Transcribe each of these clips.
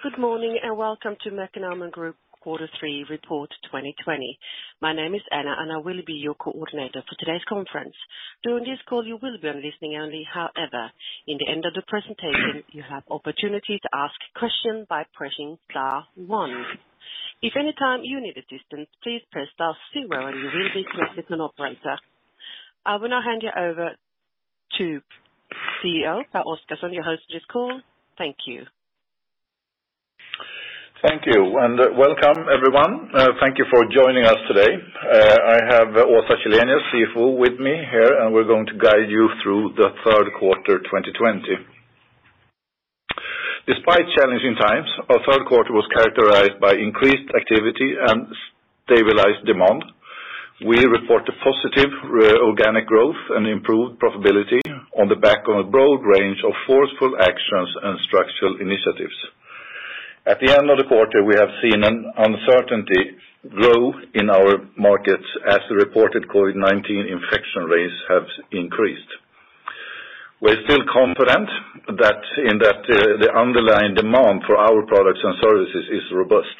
Good morning, welcome to Mekonomen Group quarter three report 2020. My name is Anna, and I will be your coordinator for today's conference. During this call, you will be on listening only. However, in the end of the presentation, you have opportunity to ask question by pressing star one. If any time you need assistance, please press star zero and you will be connected to an operator. I will now hand you over to CEO Pehr Oscarson, your host of this call. Thank you. Thank you. Welcome everyone. Thank you for joining us today. I have Åsa Källenius, CFO with me here, and we're going to guide you through the third quarter 2020. Despite challenging times, our third quarter was characterized by increased activity and stabilized demand. We report a positive organic growth and improved profitability on the back of a broad range of forceful actions and structural initiatives. At the end of the quarter, we have seen an uncertainty grow in our markets as the reported COVID-19 infection rates have increased. We're still confident that the underlying demand for our products and services is robust.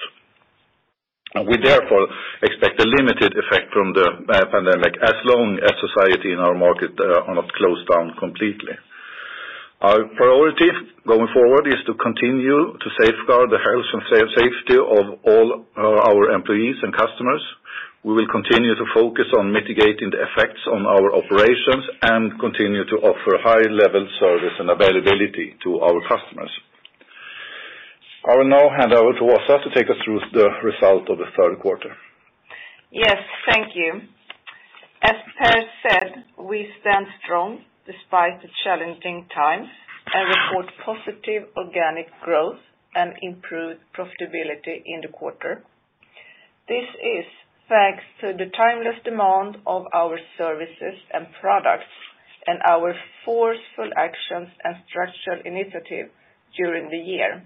We therefore expect a limited effect from the pandemic as long as society and our market are not closed down completely. Our priority going forward is to continue to safeguard the health and safety of all our employees and customers. We will continue to focus on mitigating the effects on our operations and continue to offer high-level service and availability to our customers. I will now hand over to Åsa to take us through the result of the third quarter. Yes. Thank you. As Pehr said, we stand strong despite the challenging times and report positive organic growth and improved profitability in the quarter. This is thanks to the timeless demand of our services and products and our forceful actions and structural initiative during the year.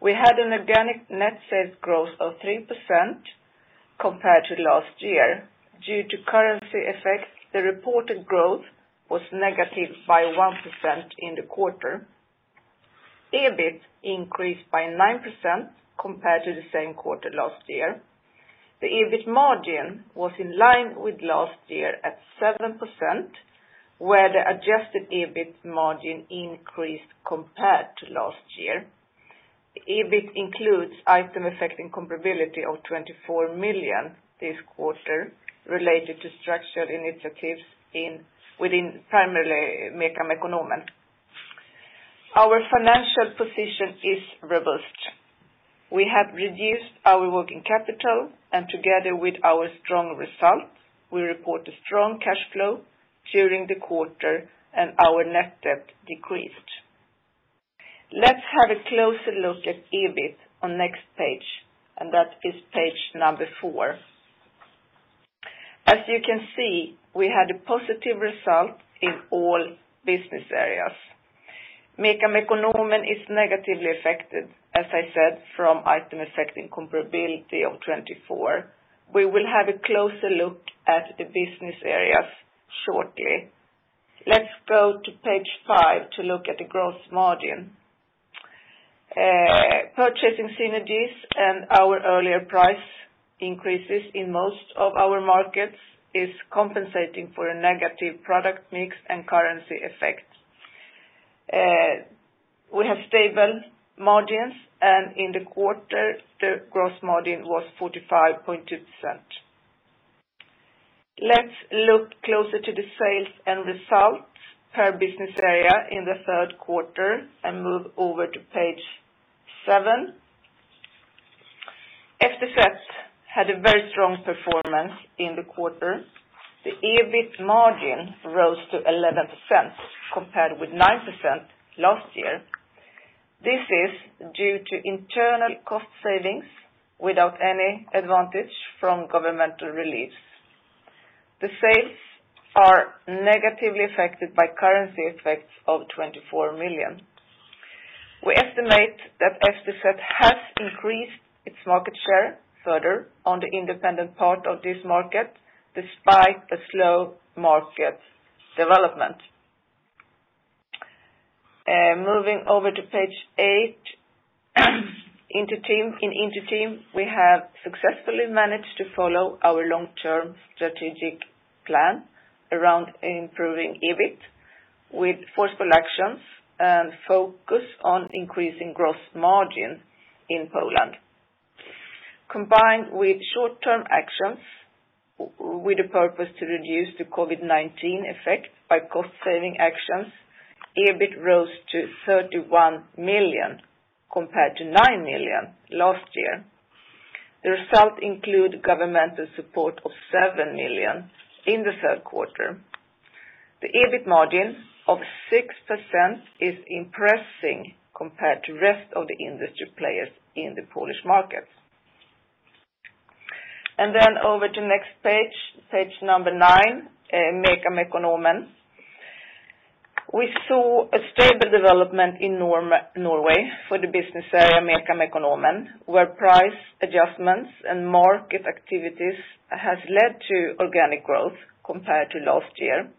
We had an organic net sales growth of 3% compared to last year. Due to currency effects, the reported growth was negative by 1% in the quarter. EBIT increased by 9% compared to the same quarter last year. The EBIT margin was in line with last year at 7%, where the adjusted EBIT margin increased compared to last year. The EBIT includes items affecting comparability of 24 million this quarter related to structural initiatives within primarily Mekonomen. Our financial position is robust. We have reduced our working capital and together with our strong results, we report a strong cash flow during the quarter and our net debt decreased. Let's have a closer look at EBIT on next page, and that is page number four. As you can see, we had a positive result in all business areas. Mekonomen is negatively affected, as I said, from items affecting comparability of 24 million. We will have a closer look at the business areas shortly. Let's go to page five to look at the gross margin. Purchasing synergies and our earlier price increases in most of our markets is compensating for a negative product mix and currency effect. We have stable margins, and in the quarter, the gross margin was 45.2%. Let's look closer to the sales and results per business area in the third quarter and move over to page seven. FTZ had a very strong performance in the quarter. The EBIT margin rose to 11% compared with 9% last year. This is due to internal cost savings without any advantage from governmental reliefs. The sales are negatively affected by currency effects of 24 million. We estimate that FTZ has increased its market share further on the independent part of this market, despite the slow market development. Moving over to page eight. In Inter-Team, we have successfully managed to follow our long-term strategic plan around improving EBIT with forceful actions and focus on increasing gross margin in Poland. Combined with short-term actions with the purpose to reduce the COVID-19 effect by cost saving actions, EBIT rose to 31 million compared to 9 million last year. The results include governmental support of 7 million in the third quarter. The EBIT margin of 6% is impressing compared to rest of the industry players in the Polish market. Then over to next page number nine, Mekonomen. We saw a stable development in Norway for the business area Mekonomen, where price adjustments and market activities has led to organic growth compared to last year.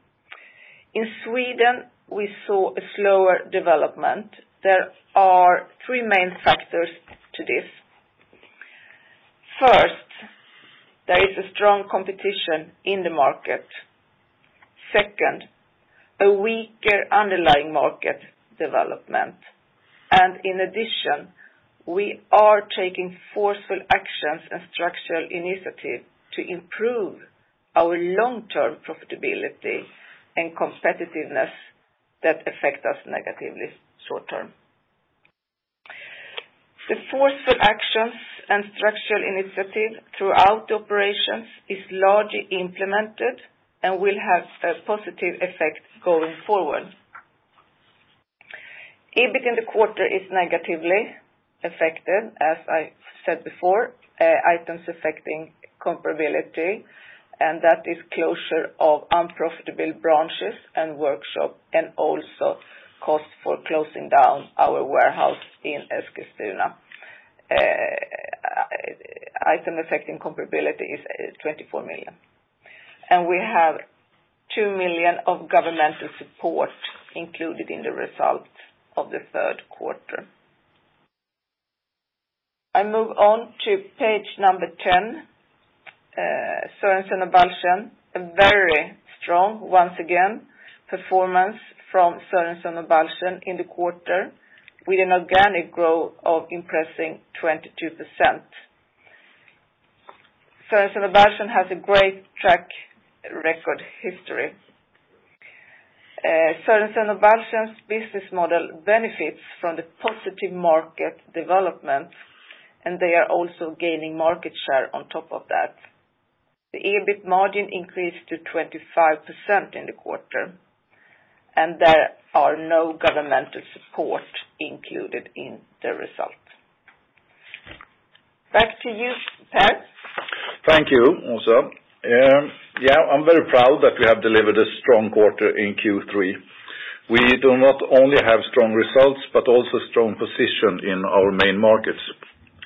In Sweden, we saw a slower development. There are three main factors to this. First, there is a strong competition in the market. Second, a weaker underlying market development. In addition, we are taking forceful actions and structural initiatives to improve our long-term profitability and competitiveness that affect us negatively short term. The forceful actions and structural initiatives throughout the operations is largely implemented and will have a positive effect going forward. EBIT in the quarter is negatively affected, as I said before, items affecting comparability, and that is closure of unprofitable branches and workshop, and also cost for closing down our warehouse in Eskilstuna. Item affecting comparability is 24 million. We have 2 million of governmental support included in the results of the third quarter. I move on to page number 10, Sørensen og Balchen, a very strong once again, performance from Sørensen og Balchen in the quarter, with an organic growth of impressing 22%. Sørensen og Balchen has a great track record history. Sørensen og Balchen's business model benefits from the positive market development, and they are also gaining market share on top of that. The EBIT margin increased to 25% in the quarter, and there are no governmental support included in the result. Back to you, Pehr. Thank you, Åsa. I'm very proud that we have delivered a strong quarter in Q3. We do not only have strong results, but also strong position in our main markets.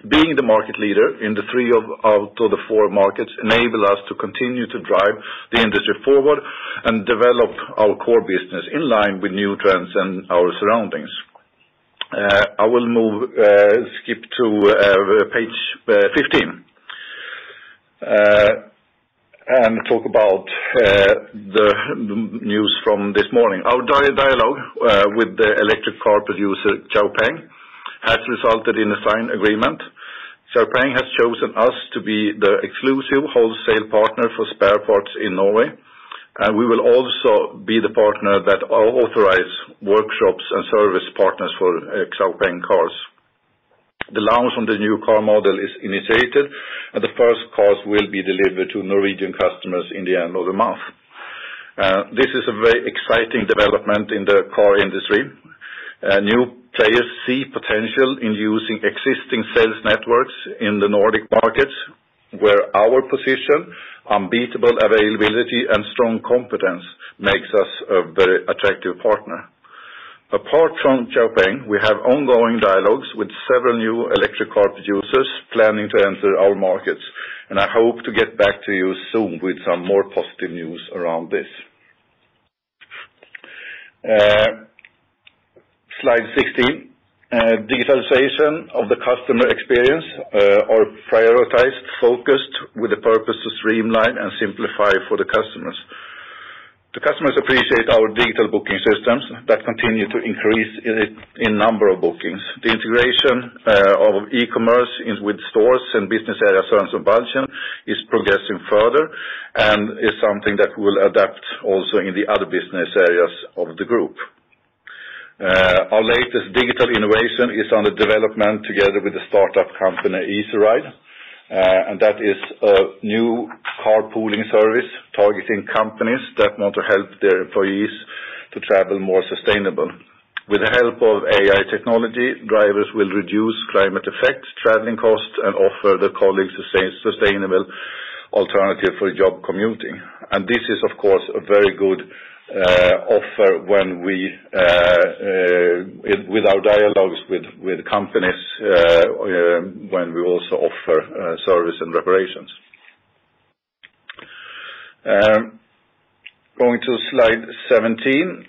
Being the market leader in the three of out of the four markets enable us to continue to drive the industry forward and develop our core business in line with new trends and our surroundings. I will skip to page 15 and talk about the news from this morning. Our dialogue with the electric car producer Xpeng has resulted in a signed agreement. Xpeng has chosen us to be the exclusive wholesale partner for spare parts in Norway, and we will also be the partner that authorize workshops and service partners for Xpeng cars. The launch on the new car model is initiated, and the first cars will be delivered to Norwegian customers in the end of the month. This is a very exciting development in the car industry. New players see potential in using existing sales networks in the Nordic markets, where our position, unbeatable availability, and strong competence makes us a very attractive partner. Apart from Xpeng, I hope to get back to you soon with some more positive news around this. Slide 16. Digitalization of the customer experience are prioritized, focused with the purpose to streamline and simplify for the customers. The customers appreciate our digital booking systems that continue to increase in number of bookings. The integration of e-commerce with stores and business area Sørensen og Balchen is progressing further, Is something that we'll adapt also in the other business areas of the group. Our latest digital innovation is under development together with the startup company Ezeride, that is a new carpooling service targeting companies that want to help their employees to travel more sustainable. With the help of AI technology, drivers will reduce climate effects, traveling costs, and offer the colleagues a sustainable alternative for job commuting. This is, of course, a very good offer with our dialogues with companies when we also offer service and reparations. Going to slide 17.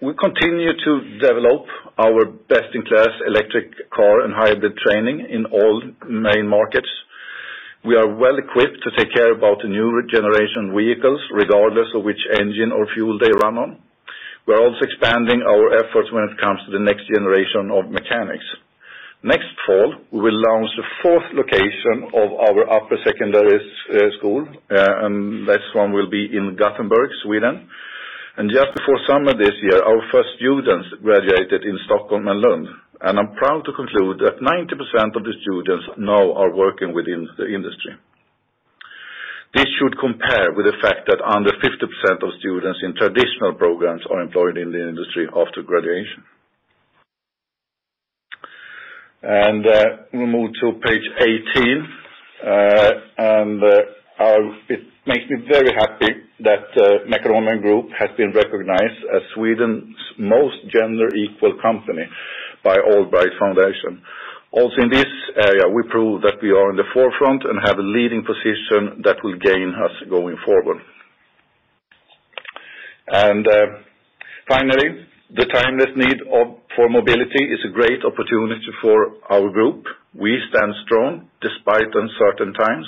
We continue to develop our best-in-class electric car and hybrid training in all main markets. We are well-equipped to take care about the new generation vehicles, regardless of which engine or fuel they run on. We are also expanding our efforts when it comes to the next generation of mechanics. Next fall, we will launch the fourth location of our upper secondary school, this one will be in Gothenburg, Sweden. Just before summer this year, our first students graduated in Stockholm and Lund. I'm proud to conclude that 90% of the students now are working within the industry. This should compare with the fact that under 50% of students in traditional programs are employed in the industry after graduation. We move to page 18. It makes me very happy that Mekonomen Group has been recognized as Sweden's most gender-equal company by AllBright Foundation. Also in this area, we prove that we are in the forefront and have a leading position that will gain us going forward. Finally, the timeless need for mobility is a great opportunity for our group. We stand strong despite uncertain times.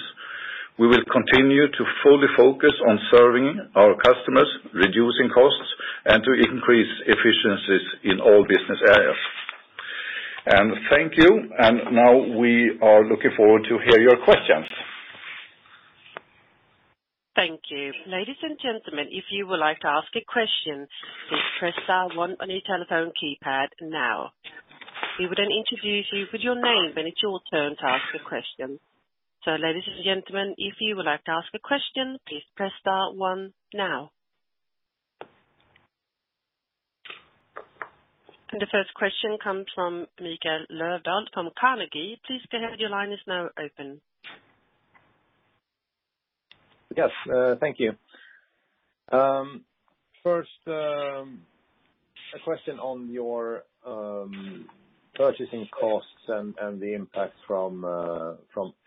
We will continue to fully focus on serving our customers, reducing costs, and to increase efficiencies in all business areas. Thank you. Now we are looking forward to hear your questions. Thank you. Ladies and gentlemen, if you would like to ask a question, please press star one on your telephone keypad now. We will then introduce you with your name when it's your turn to ask a question. Ladies and gentlemen, if you would like to ask a question, please press star one now. The first question comes from Mikael Löfdahl from Carnegie. Please go ahead. Your line is now open. Yes, thank you. First, a question on your purchasing costs and the impact from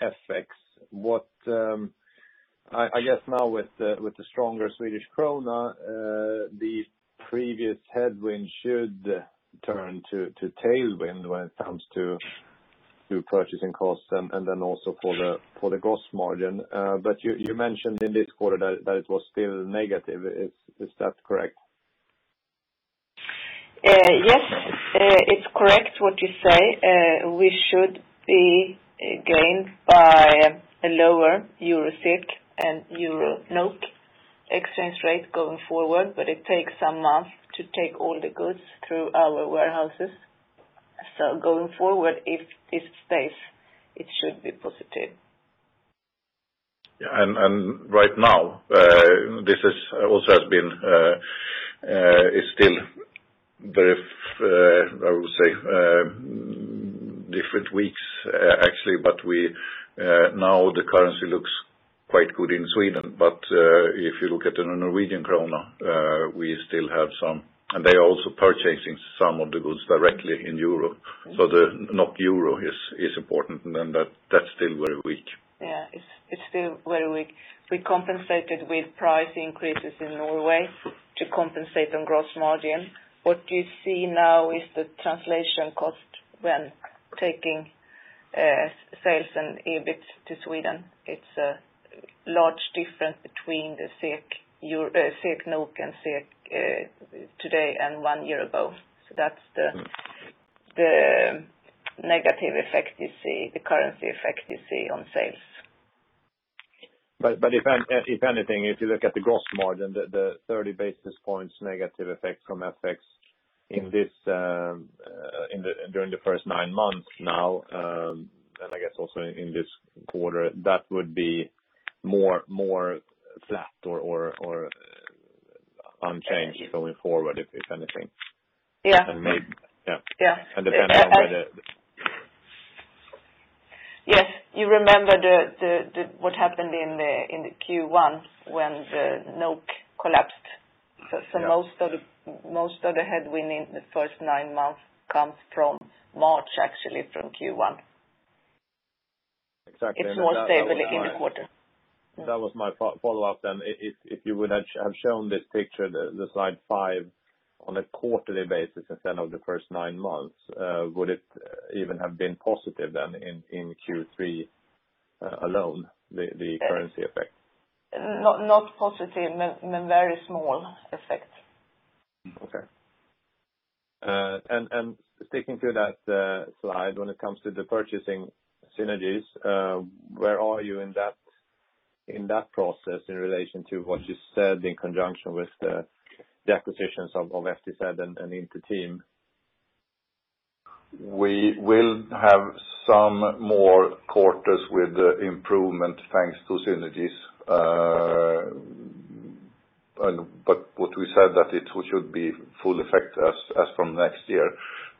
FX. I guess now with the stronger Swedish krona, the previous headwind should turn to tailwind when it comes to purchasing costs and then also for the gross margin. You mentioned in this quarter that it was still negative. Is that correct? Yes, it's correct what you say. We should be gained by a lower Euro SEK and Euro NOK exchange rate going forward, it takes some months to take all the goods through our warehouses. Going forward, if it stays, it should be positive. Right now, this also is still very, I would say, different weeks, actually. Now the currency looks quite good in Sweden. If you look at the Norwegian Krone, they are also purchasing some of the goods directly in Euro. The NOK Euro is important, and that's still very weak. Yeah, it's still very weak. We compensated with price increases in Norway to compensate on gross margin. What you see now is the translation cost when taking sales and EBIT to Sweden. It's a large difference between the SEK NOK and SEK today and one year ago. That's the negative effect you see, the currency effect you see on sales. If anything, if you look at the gross margin, the 30 basis points negative effect from FX during the first nine months now, and I guess also in this quarter, that would be more flat or unchanged going forward, if anything. And depending on whether. Yes. You remember what happened in Q1 when the NOK collapsed. Most of the headwind in the first nine months comes from March, actually from Q1. Exactly. It's more stable in the quarter. That was my follow-up then. If you would have shown this picture, the slide five on a quarterly basis instead of the first nine months, would it even have been positive then in Q3 alone, the currency effect? Not positive, but very small effect. Okay. Sticking to that slide, when it comes to the purchasing synergies, where are you in that process in relation to what you said in conjunction with the acquisitions of [STAD] and Inter-Team? We will have some more quarters with the improvement, thanks to synergies. What we said that it should be full effect as from next year.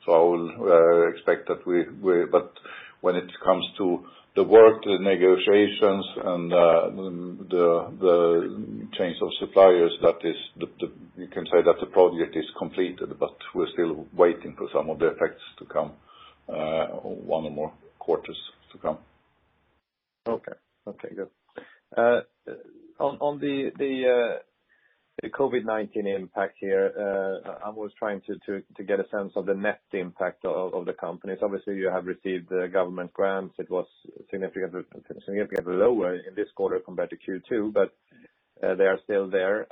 I will expect that, but when it comes to the work, the negotiations, and the change of suppliers, you can say that the project is completed, but we're still waiting for some of the effects to come, one or more quarters to come. Good. On the COVID-19 impact here, I was trying to get a sense of the net impact of the companies. Obviously, you have received the government grants. It was significantly lower in this quarter compared to Q2, but they are still there.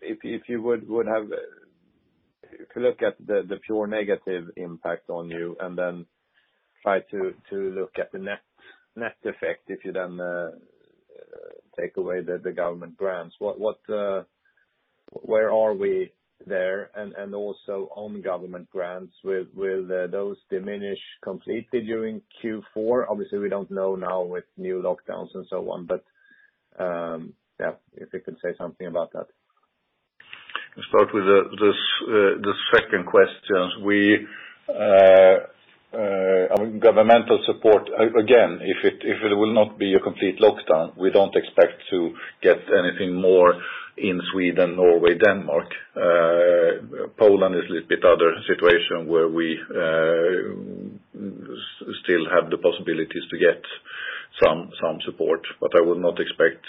If you would have to look at the pure negative impact on you and then try to look at the net effect, if you then take away the government grants, where are we there? Also on government grants, will those diminish completely during Q4? Obviously, we don't know now with new lockdowns and so on, but if you could say something about that. I'll start with the second question. Governmental support, again, if it will not be a complete lockdown, we don't expect to get anything more in Sweden, Norway, Denmark. Poland is a little bit other situation where we still have the possibilities to get some support, I would not expect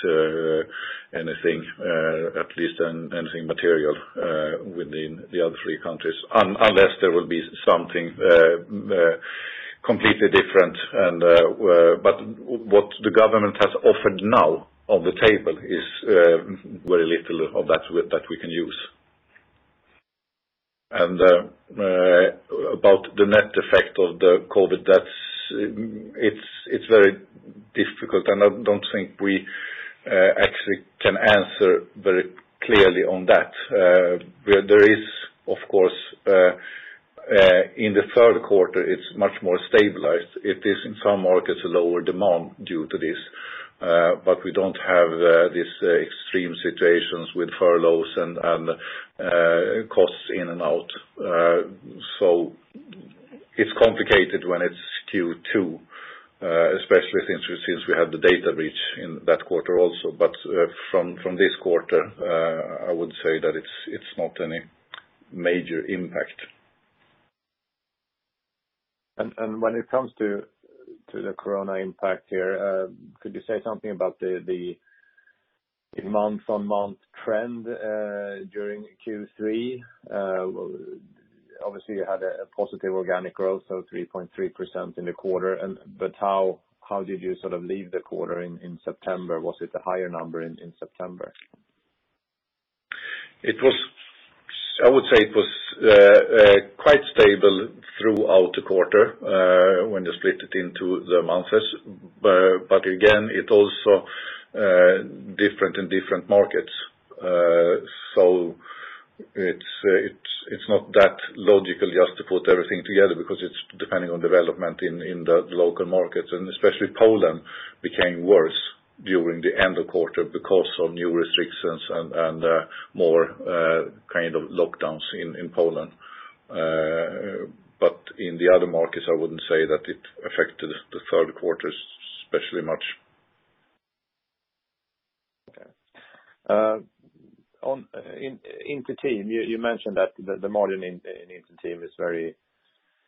anything material within the other three countries, unless there will be something completely different. What the government has offered now on the table is very little of that we can use. About the net effect of the COVID-19, it's very difficult, and I don't think we actually can answer very clearly on that. In the third quarter, it's much more stabilized. It is in some markets, a lower demand due to this. We don't have these extreme situations with furloughs and costs in and out. It's complicated when it's Q2, especially since we had the data breach in that quarter also. From this quarter, I would say that it's not any major impact. When it comes to the COVID-19 impact here, could you say something about the month-on-month trend during Q3? Obviously, you had a positive organic growth, so 3.3% in the quarter. How did you leave the quarter in September? Was it a higher number in September? I would say it was quite stable throughout the quarter when you split it into the months. Again, it's also different in different markets. It's not that logical just to put everything together because it's depending on development in the local markets. Especially Poland became worse during the end of quarter because of new restrictions and more lockdowns in Poland. In the other markets, I wouldn't say that it affected the third quarter especially much. Okay. On Inter-Team, you mentioned that the margin in Inter-Team is very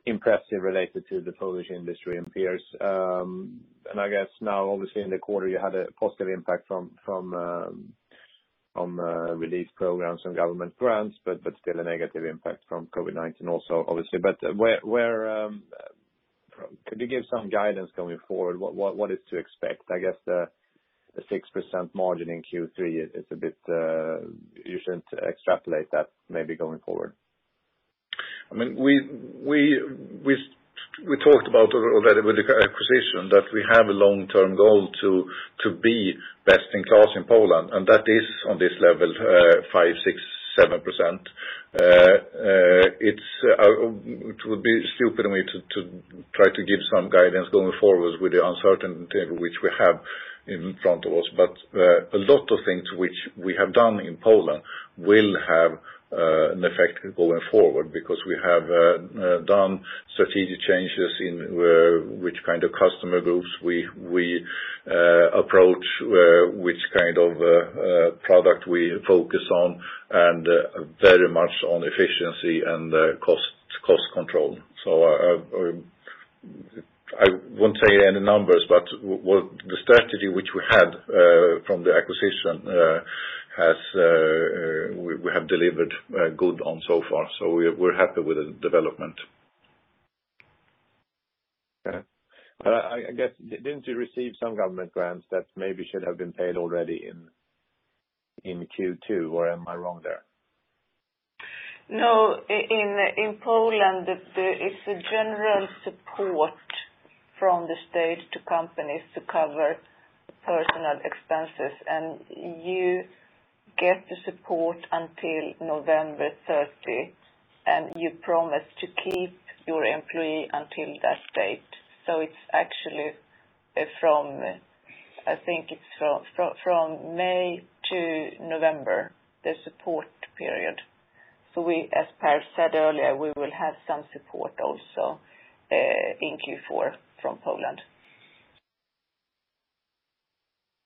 impressive related to the Polish industry and peers. I guess now, obviously in the quarter, you had a positive impact from release programs and government grants, but still a negative impact from COVID-19 also, obviously. Could you give some guidance going forward? What is to expect? I guess the 6% margin in Q3, you shouldn't extrapolate that maybe going forward. We talked about already with the acquisition that we have a long-term goal to be best in class in Poland, and that is on this level of 5%, 6%, 7%. It would be stupid of me to try to give some guidance going forward with the uncertainty which we have in front of us. A lot of things which we have done in Poland will have an effect going forward because we have done strategic changes in which kind of customer groups we approach, which kind of product we focus on, and very much on efficiency and cost control. I won't say any numbers, but the strategy which we had from the acquisition, we have delivered good on so far. We're happy with the development. Okay. I guess, didn't you receive some government grants that maybe should have been paid already in Q2, or am I wrong there? In Poland, there is a general support from the state to companies to cover personal expenses, and you get the support until November 30th, and you promise to keep your employee until that date. I think it's from May to November, the support period. As Pehr said earlier, we will have some support also in Q4 from Poland.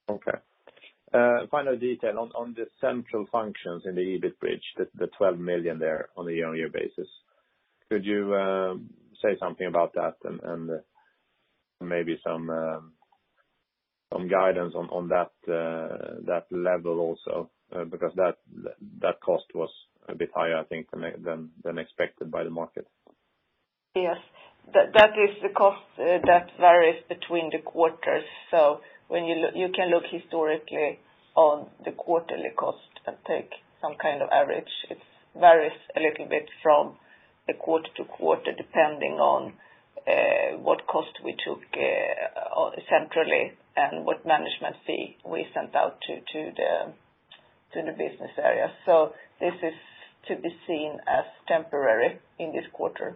Okay. Final detail on the central functions in the EBIT bridge, the 12 million there on a year-on-year basis. Could you say something about that and maybe some guidance on that level also? Because that cost was a bit higher, I think, than expected by the market. Yes. That is the cost that varies between the quarters. You can look historically on the quarterly cost and take some kind of average. It varies a little bit from the quarter to quarter, depending on what cost we took centrally and what management fee we sent out to the business area. This is to be seen as temporary in this quarter.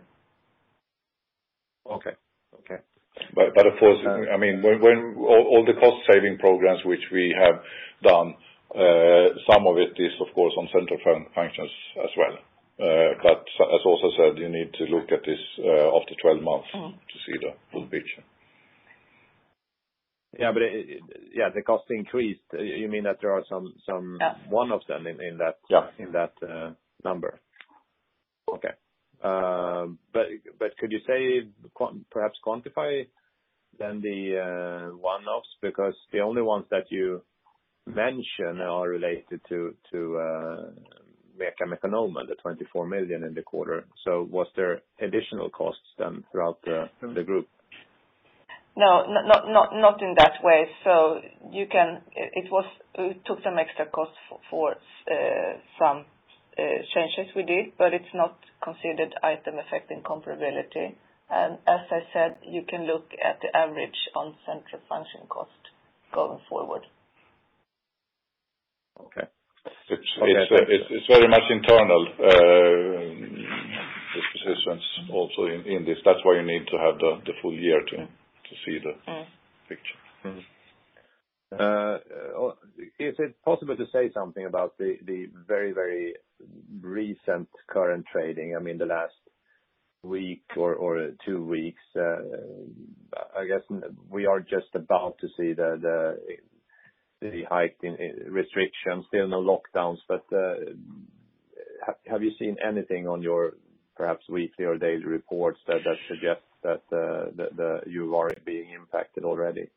Okay. Of course, all the cost-saving programs which we have done, some of it is of course, on central functions as well. As Åsa said, you need to look at this after 12 months to see the full picture. Yeah. The cost increased. You mean that there are some one of them in that number? Okay. Could you perhaps quantify then the one-offs? Because the only ones that you mention are related to Mekonomen, the 24 million in the quarter. Was there additional costs then throughout the group? No, not in that way. It took some extra cost for some changes we did, but it's not considered items affecting comparability. As I said, you can look at the average on central function cost going forward. Okay. It's very much internal decisions also in this. That's why you need to have the full year to see the picture. Is it possible to say something about the very recent current trading, the last week or two weeks? I guess we are just about to see the hike in restrictions, there are no lockdowns, but have you seen anything on your perhaps weekly or daily reports that suggest that you are being impacted already?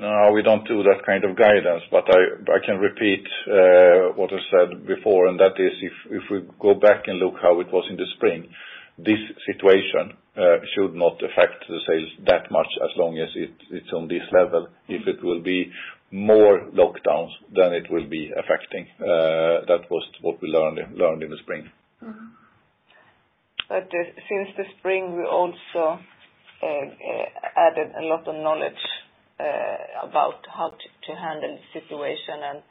No, we don't do that kind of guidance. I can repeat what I said before, and that is if we go back and look how it was in the spring, this situation should not affect the sales that much as long as it's on this level. If it will be more lockdowns, then it will be affecting. That was what we learned in the spring. Since the spring, we also added a lot of knowledge about how to handle the situation and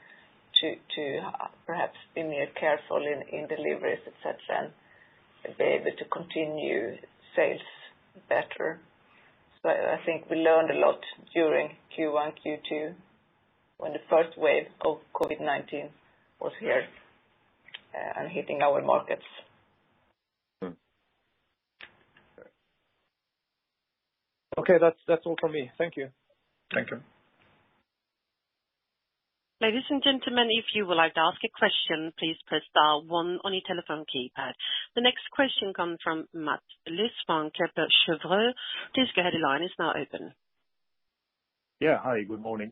to perhaps be more careful in deliveries, et cetera, and be able to continue sales better. I think we learned a lot during Q1, Q2, when the first wave of COVID-19 was here and hitting our markets. Okay. That's all from me. Thank you. Thank you. Ladies and gentlemen, if you would like to ask a question, please press one on your telephone keypad. The next question comes from Mats Liss, Kepler Cheuvreux. Please go ahead, your line is now open. Yeah. Hi, good morning.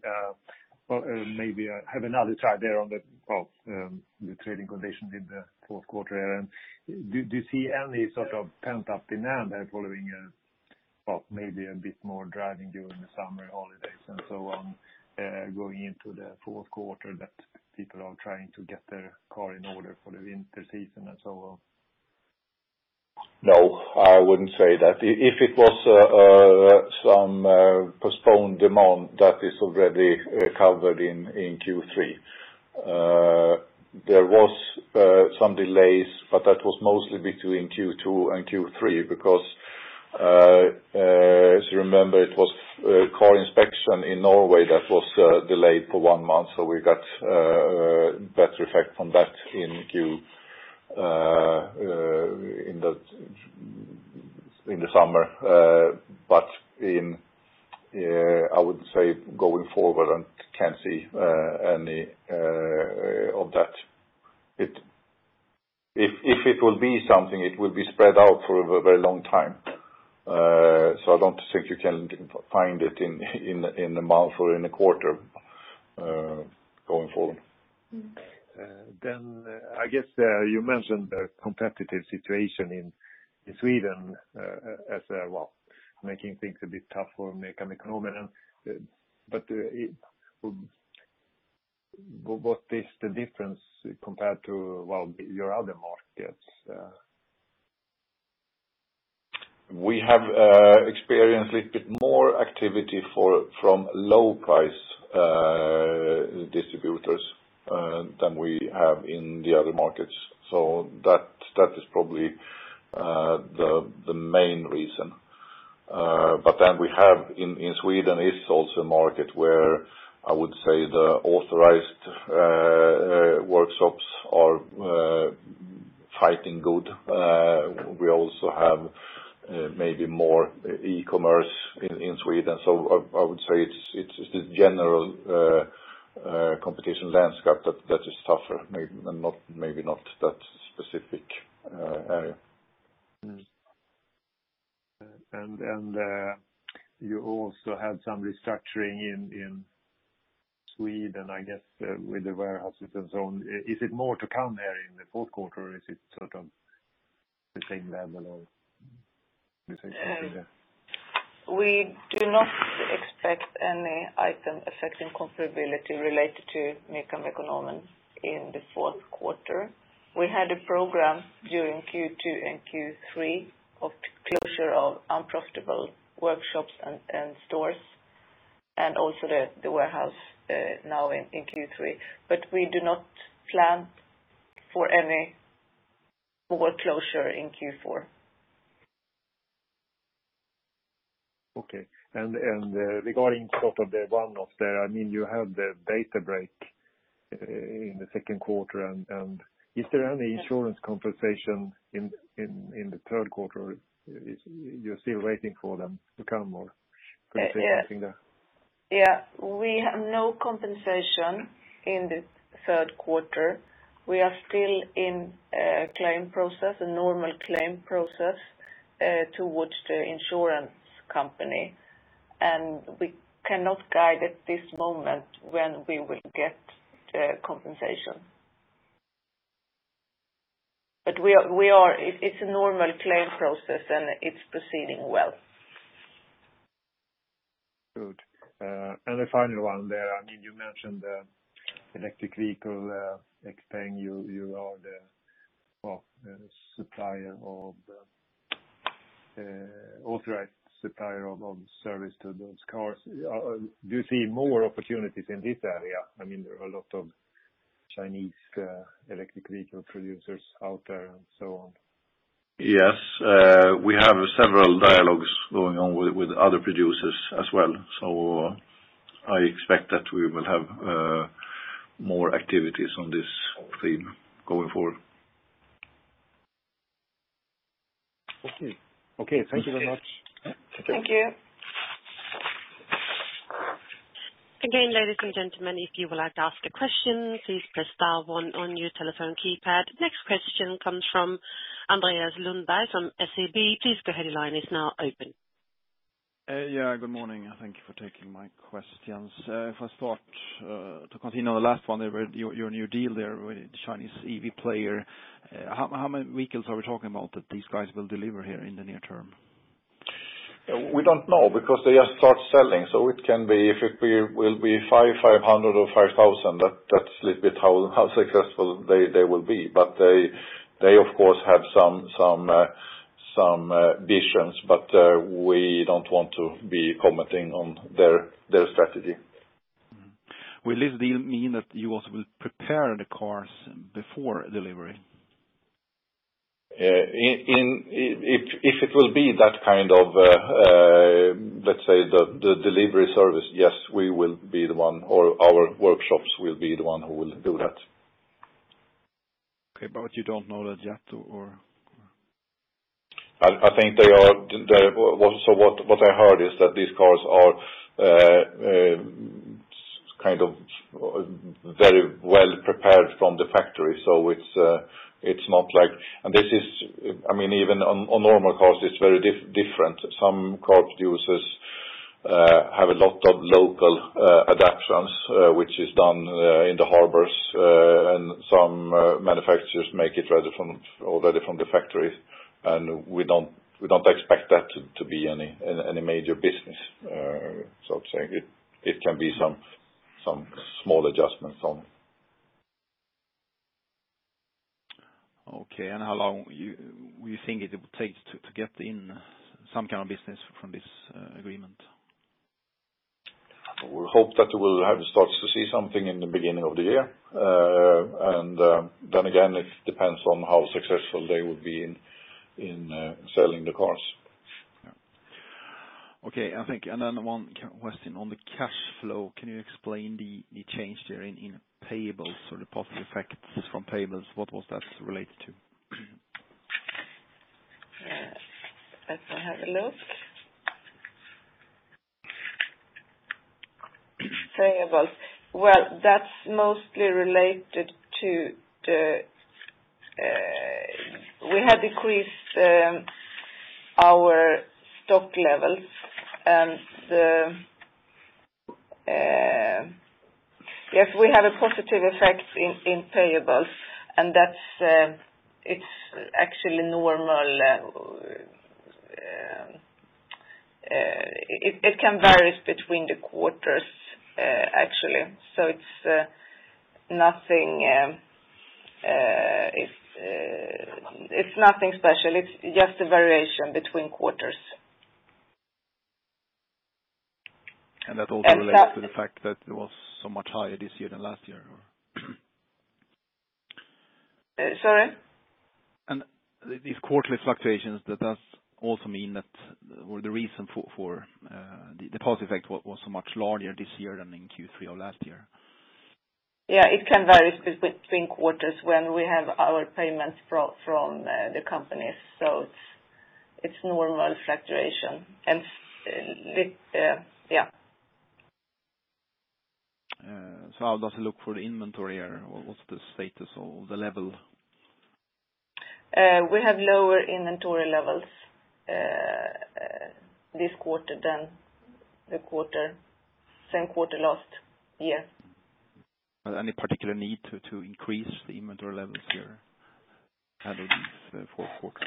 Well, maybe I have another try there on the trading conditions in the fourth quarter. Do you see any sort of pent-up demand there following maybe a bit more driving during the summer holidays and so on going into the fourth quarter that people are trying to get their car in order for the winter season and so on? No, I wouldn't say that. If it was some postponed demand that is already covered in Q3. There was some delays, but that was mostly between Q2 and Q3 because as you remember, it was car inspection in Norway that was delayed for one month. We got better effect from that in the summer. I would say going forward, I can't see any of that. If it will be something, it will be spread out for a very long time. I don't think you can find it in a month or in a quarter going forward. I guess you mentioned the competitive situation in Sweden as well, making things a bit tough for Mekonomen. What is the difference compared to your other markets? We have experienced a little bit more activity from low price distributors than we have in the other markets. That is probably the main reason. We have in Sweden is also a market where I would say the authorized workshops are fighting good. We also have maybe more e-commerce in Sweden. I would say it's the general competition landscape that is tougher, maybe not that specific area. You also had some restructuring in Sweden, I guess, with the warehouses and so on. Is it more to come there in the fourth quarter or is it sort of the same level of restructuring there? We do not expect any items affecting comparability related to Mekonomen in the fourth quarter. We had a program during Q2 and Q3 of closure of unprofitable workshops and stores, and also the warehouse now in Q3. We do not plan for any more closure in Q4. Regarding sort of the one-off there, you have the data breach in the second quarter. Is there any insurance compensation in the third quarter, or you're still waiting for them to come or could say something there? We have no compensation in the third quarter. We are still in a claim process, a normal claim process towards the insurance company, and we cannot guide at this moment when we will get the compensation. It's a normal claim process, and it's proceeding well. Good. The final one there, you mentioned the electric vehicle, Xpeng, you are the authorized supplier of service to those cars. Do you see more opportunities in this area? There are a lot of Chinese electric vehicle producers out there and so on. Yes. We have several dialogues going on with other producers as well. I expect that we will have more activities on this theme going forward. Okay. Thank you very much. Thank you. Again, ladies and gentlemen, if you would like to ask a question, please press star one on your telephone keypad. Next question comes from Andreas Lundberg, from SEB. Please go ahead, your line is now open. Yeah, good morning. Thank you for taking my questions. If I start to continue on the last one, your new deal there with the Chinese EV player, how many vehicles are we talking about that these guys will deliver here in the near term? We don't know because they just start selling. It can be, if it will be 500 or 5,000, that's a little bit how successful they will be. They of course have some visions, but we don't want to be commenting on their strategy. Will this deal mean that you also will prepare the cars before delivery? If it will be that kind of let's say the delivery service, yes, we will be the one, or our workshops will be the one who will do that. Okay. You don't know that yet? What I heard is that these cars are very well-prepared from the factory. Even on normal cars it's very different. Some car producers have a lot of local adaptations which is done in the harbors, and some manufacturers make it ready already from the factories, and we don't expect that to be any major business. I'm saying it can be some small adjustments. Okay. How long you think it will take to get in some kind of business from this agreement? We hope that we'll have started to see something in the beginning of the year. Again, it depends on how successful they will be in selling the cars. Yeah. Okay. Thank you. One question on the cash flow. Can you explain the change there in payables or the positive effect from payables? What was that related to? Yeah. Let me have a look. Payables. Well, that's mostly related to the We have decreased our stock levels and yes, we have a positive effect in payables and it's actually normal. It can vary between the quarters actually. It's nothing special. It's just a variation between quarters. That also relates to the fact that it was so much higher this year than last year, or? Sorry? These quarterly fluctuations, does that also mean that the reason for the positive effect was so much larger this year than in Q3 of last year? Yeah, it can vary between quarters when we have our payments from the companies. It's normal fluctuation. I'll just look for the inventory here. What's the status or the level? We have lower inventory levels this quarter than the same quarter last year. Any particular need to increase the inventory levels here at least for a quarter?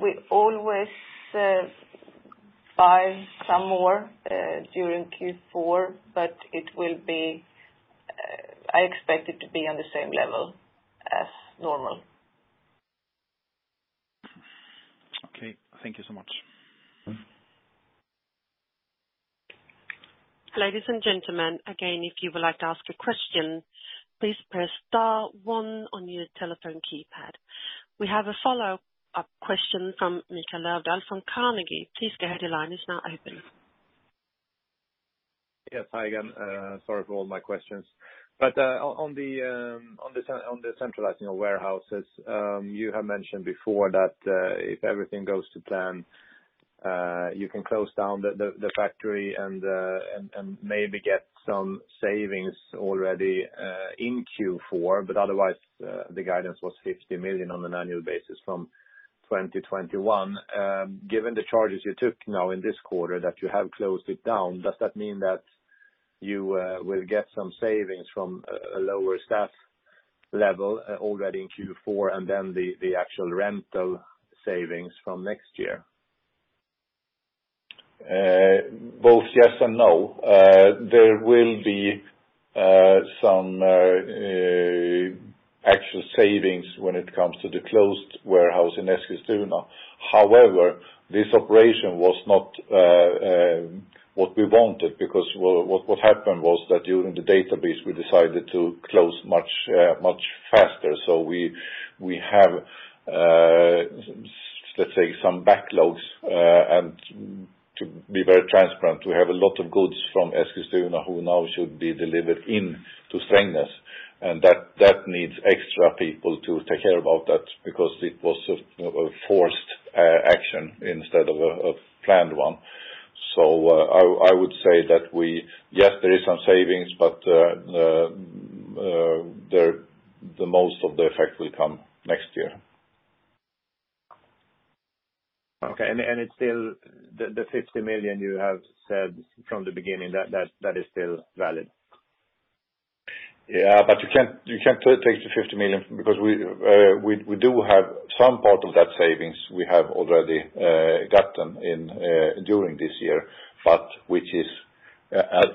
We always buy some more during Q4, but I expect it to be on the same level as normal. Okay. Thank you so much. Ladies and gentlemen, again, if you would like to ask a question, please press star one on your telephone keypad. We have a follow-up question from Mikael Löfdahl from Carnegie. Please go ahead, your line is now open. Yes. Hi again. Sorry for all my questions. On the centralizing of warehouses, you have mentioned before that if everything goes to plan, you can close down the factory and maybe get some savings already in Q4. Otherwise, the guidance was 50 million on an annual basis from 2021. Given the charges you took now in this quarter that you have closed it down, does that mean that you will get some savings from a lower staff level already in Q4 and then the actual rental savings from next year? Both yes and no. There will be some actual savings when it comes to the closed warehouse in Eskilstuna. However, this operation was not what we wanted because what happened was that during the data breach we decided to close much faster. We have let's say some backlogs, and to be very transparent, we have a lot of goods from Eskilstuna who now should be delivered in to Strängnäs, and that needs extra people to take care about that because it was a forced action instead of a planned one. I would say that, yes, there is some savings, but the most of the effect will come next year. Okay. It's still the 50 million you have said from the beginning, that is still valid? You can't take the 50 million because we do have some part of that savings, we have already gotten during this year, which is,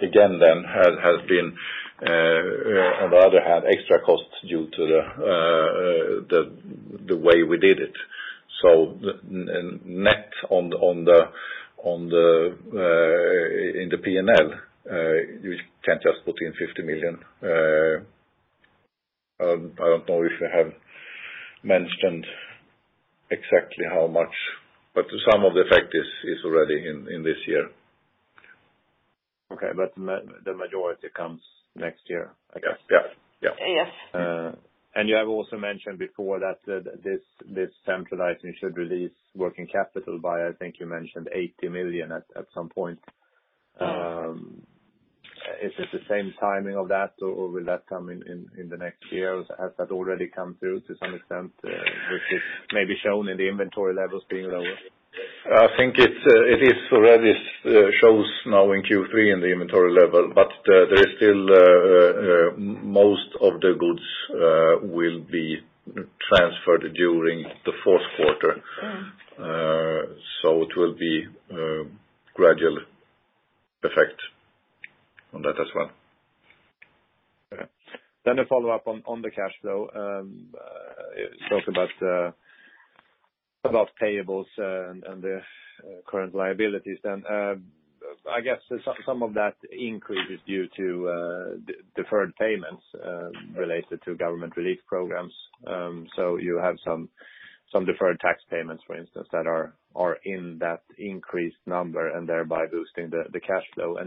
again, has been on the other hand extra cost due to the way we did it. Net in the P&L, you can't just put in 50 million. I don't know if you have mentioned exactly how much, some of the effect is already in this year. Okay. The majority comes next year, I guess. Yeah. Yes. You have also mentioned before that this centralizing should release working capital by, I think you mentioned 80 million at some point. Is it the same timing of that or will that come in the next year? Has that already come through to some extent, which is maybe shown in the inventory levels being lower? I think it already shows now in Q3 in the inventory level, but there is still most of the goods will be transferred during the fourth quarter. It will be gradual effect on that as well. Okay. A follow-up on the cash flow. Talk about payables and the current liabilities then. I guess some of that increase is due to deferred payments related to government relief programs. You have some deferred tax payments, for instance, that are in that increased number and thereby boosting the cash flow.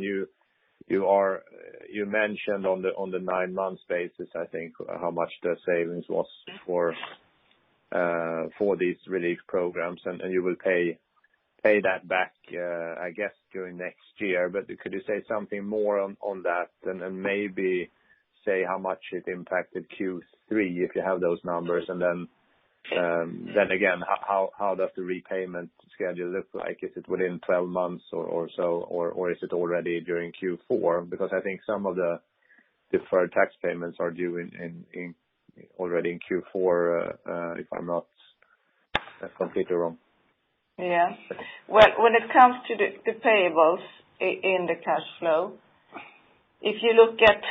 You mentioned on the nine months basis, I think, how much the savings was for these relief programs, and you will pay that back, I guess during next year. Could you say something more on that and maybe say how much it impacted Q3, if you have those numbers? Again, how does the repayment schedule look like? Is it within 12 months or so, or is it already during Q4? Because I think some of the deferred tax payments are due already in Q4, if I'm not completely wrong. Well, when it comes to the payables in the cash flow, if you look at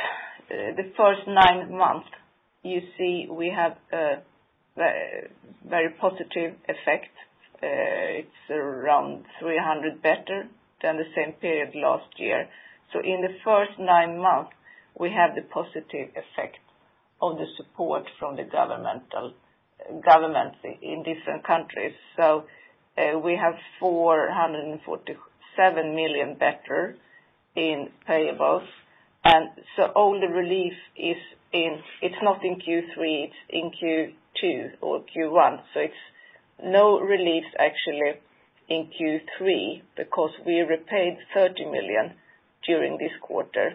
the first nine months, you see we have a very positive effect. It's around 300 better than the same period last year. In the first nine months, we had the positive effect of the support from the governments in different countries. We have 447 million better in payables. All the relief it's not in Q3, it's in Q2 or Q1. It's no relief actually in Q3 because we repaid 30 million during this quarter.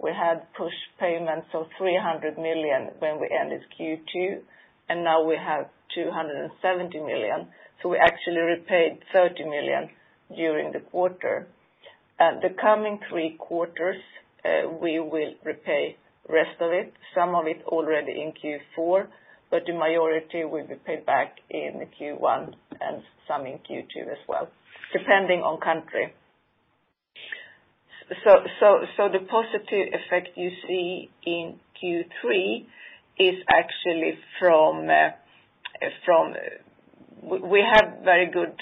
We had pushed payments of 300 million when we ended Q2, and now we have 270 million. We actually repaid 30 million during the quarter. The coming three quarters, we will repay rest of it, some of it already in Q4, but the majority will be paid back in Q1 and some in Q2 as well, depending on country. The positive effect you see in Q3 is actually We have very good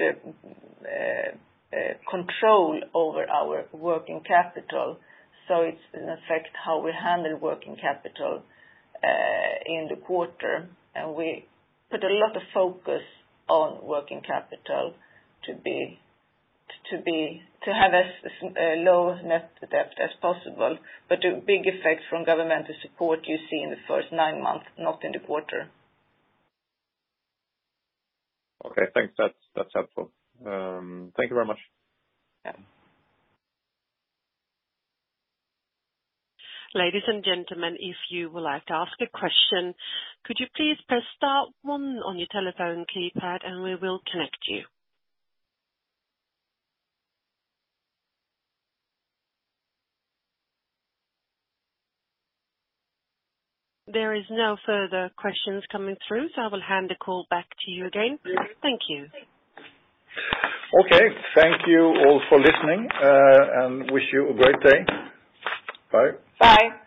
control over our working capital, so it's in effect how we handle working capital in the quarter. We put a lot of focus on working capital to have as low net debt as possible. The big effect from governmental support you see in the first nine months, not in the quarter. Okay, thanks. That's helpful. Thank you very much. Yeah. Ladies and gentlemen, if you would like to ask a question, could you please press star one on your telephone keypad and we will connect you. There is no further questions coming through, so I will hand the call back to you again. Thank you. Okay. Thank you all for listening. Wish you a great day. Bye. Bye.